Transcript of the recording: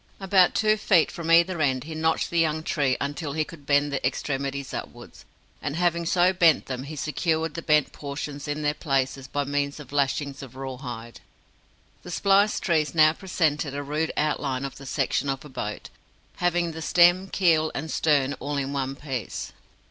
About two feet from either end he notched the young tree until he could bend the extremities upwards; and having so bent them, he secured the bent portions in their places by means of lashings of raw hide. The spliced trees now presented a rude outline of the section of a boat, having the stem, keel, and stern all in one piece.